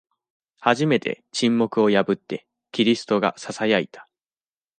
初めて、沈黙を破って、キリストがささやいた。